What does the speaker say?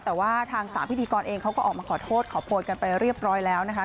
แต่ว่าทางสามพิธีกรเองเขาก็ออกมาขอโทษขอโพยกันไปเรียบร้อยแล้วนะคะ